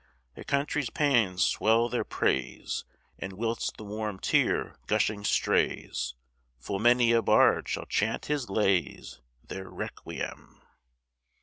Their country's pæans swell their praise; And whilst the warm tear, gushing, strays, Full many a bard shall chant his lays, Their requiem.